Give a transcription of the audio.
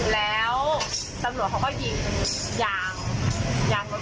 เหตุการณ์ทำอะไร